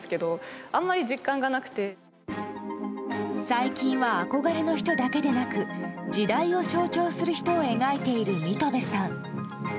最近は、憧れの人だけでなく時代を象徴する人を描いている水戸部さん。